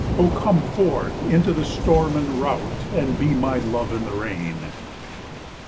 Oh, come forth into the storm and rout, And be my love in the rain.